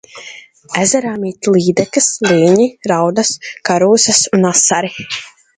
Ezerā mīt līdakas, līņi, raudas, karūsas un asari.